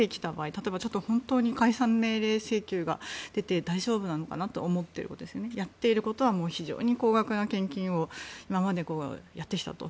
例えば本当に解散命令請求が出て大丈夫なのかなと思ってもやっていることは非常に高額な献金を今までやってきたと。